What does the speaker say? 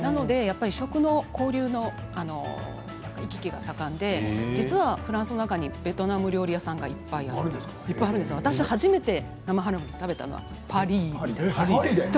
食の交流の行き来が盛んで実はフランスの中にベトナム料理屋さんがいっぱいあって私、初めて生春巻きを食べたのはパリでした。